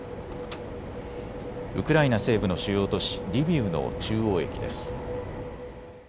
ウクライナ西部の主要都市リビウの中央駅です。